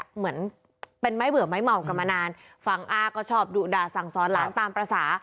เหมือนเป็นไม้เบื่อไม้เมากันมานานฝั่งอาก็ชอบดุด่าสั่งสอนหลานตามภาษา